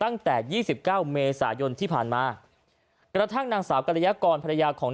ตั้งแต่ยี่สิบเก้าเมษายนที่ผ่านมากระทั่งนางสาวกรยากรภรรยาของ